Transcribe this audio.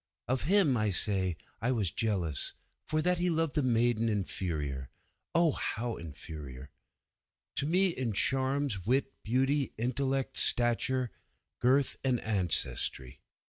'Of him, I say, was I jealous, for that he loved a maiden inferior Oh how inferior! to me in charms, wit, beauty, intellect, stature, girth, and ancestry.